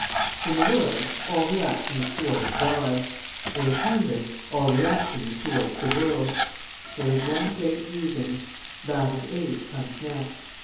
In the world, all reaction is towards God; in a convent, all reaction is towards the world; there is one great reason; that of age comes next."